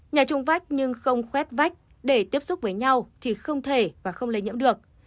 nhà trung vách nhưng không khuét vách để tiếp xúc với nhau thì không thể và không lây nhiễm được